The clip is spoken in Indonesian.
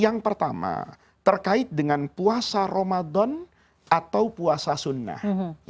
yang pertama terkait dengan puasa ramadan atau puasa sunnah